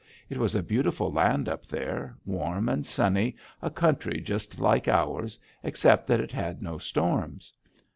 It was a beautiful land up there: warm and sunny, a country just like ours except that it had no storms.